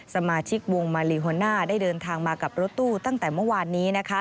สมาชิกวงมาลีโฮน่าได้เดินทางมากับรถตู้ตั้งแต่เมื่อวานนี้